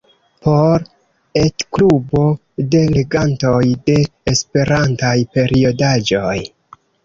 Por etklubo de legantoj de esperantaj periodaĵoj.